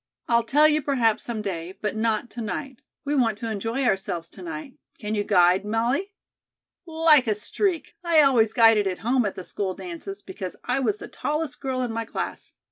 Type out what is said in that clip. "I'll tell you perhaps some day, but not to night. We want to enjoy ourselves to night. Can you guide, Molly?" "Like a streak. I always guided at home at the school dances, because I was the tallest girl in my class."